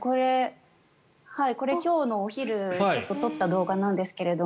これは今日のお昼に撮った動画なんですけど。